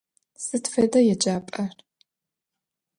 Сыд фэда еджапӏэр?